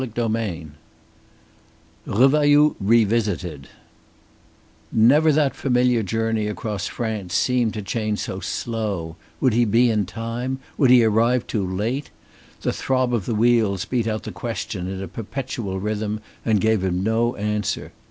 CHAPTER XXII REVAILLOUD REVISITED Never that familiar journey across France seemed to Chayne so slow. Would he be in time? Would he arrive too late? The throb of the wheels beat out the questions in a perpetual rhythm and gave him no answer.